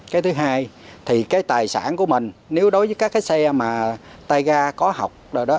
cái thứ hai thì cái tài sản của mình nếu đối với các cái xe mà tay ga có học rồi đó